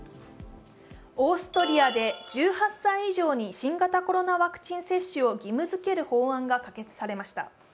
オーストリアで１８歳以上に新型コロナウイルス接種を義務づける法案が可決されました。